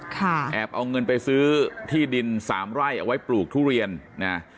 แอบเอาเงินไปซื้อที่ดินสามไร่เอาไว้ปลูกทุเรียนนะ